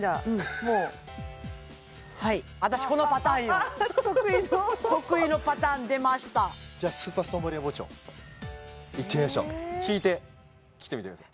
もう私このパターンよ得意の得意のパターン出ましたじゃスーパーストーンバリア包丁いってみましょう引いて切ってみてください